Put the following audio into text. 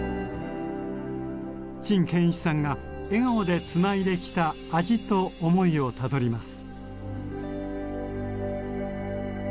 陳建一さんが笑顔でつないできた味と思いをたどります。